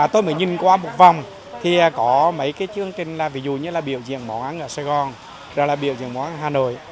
tôi mới nhìn qua một vòng thì có mấy cái chương trình là ví dụ như là biểu diễn món ăn ở sài gòn rồi là biểu diễn món ăn hà nội